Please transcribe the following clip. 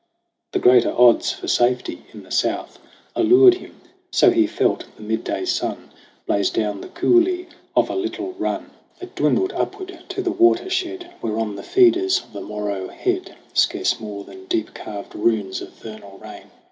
The greater odds for safety in the South Allured him ; so he felt the midday sun Blaze down the coulee of a little run 37 38 SONG OF HUGH GLASS That dwindled upward to the watershed Whereon the feeders of the Moreau head Scarce more than deep carved runes of vernal rain.